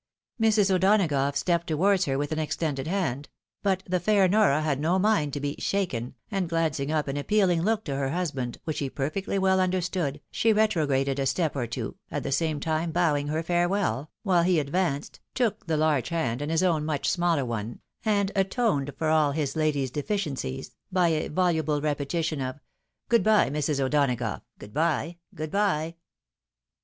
Mis. O'Donagough stepped towards her with an extended hand ; but the fair Nora had no mind to be " shaken," and glancing up an appealing look to her husband, which he perfectly well understood, she retrograded a step or two, at the same time bowing her farewell, whole he advanced, took the large hand in his own much smaller one, and atoned for all his lady's deficiencies, by a voluble repetition of " Good bye, Mrs. O'Donagough, good bye, good bye." A TVELCOME DErAETUEE.